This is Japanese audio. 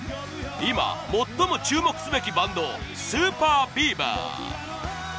今、最も注目すべきバンドＳＵＰＥＲＢＥＡＶＥＲ